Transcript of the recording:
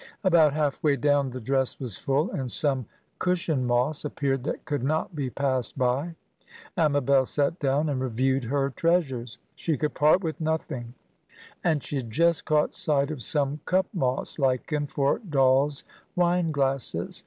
About half way down the dress was full, and some cushion moss appeared that could not be passed by. Amabel sat down and reviewed her treasures. She could part with nothing, and she had just caught sight of some cup moss lichen for dolls' wine glasses.